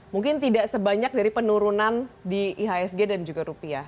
mungkin tidak sebanyak dari penurunan di ihsg dan juga rupiah